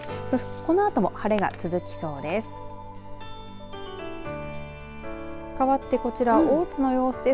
このあとも晴れが続きそうです。